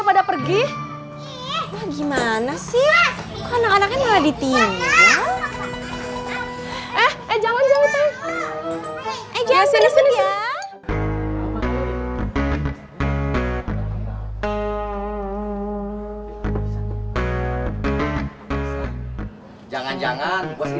beres kang acek